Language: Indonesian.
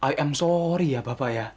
i am sorry ya bapak ya